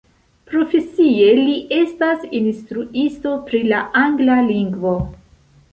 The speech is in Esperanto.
Profesie li estas instruisto pri la angla lingvo.